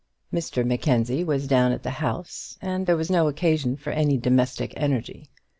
Mr Mackenzie was down at the House, and there was no occasion for any domestic energy.